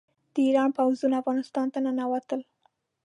د ایران پوځونه افغانستان ته ننوتل.